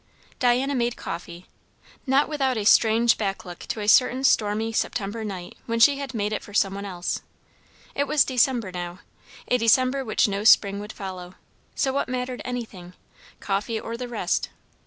Diana made coffee, not without a strange back look to a certain stormy September night when she had made it for some one else. It was December now a December which no spring would follow; so what mattered anything, coffee or the rest?